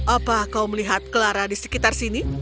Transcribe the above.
apa kau melihat clara di sekitar sini